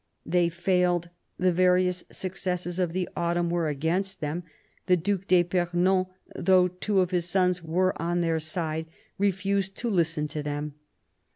They failed ; the various successes of the autumn were against them; the Due d'fipernon, though two of his sons were on their side, refused to listen to them.